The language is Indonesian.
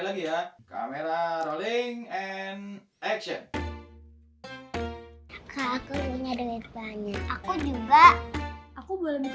aku boleh minta satu enggak